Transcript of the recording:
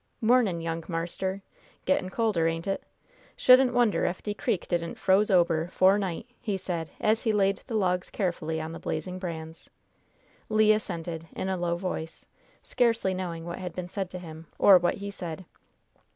"Mornin', young marster! Gettin' colder, ain't it? Shouldn't wonder ef de crik didn't froze ober 'fore night," he said, as he laid the logs carefully on the blazing brands. Le assented, in a low voice, scarcely knowing what had been said to him, or what he said.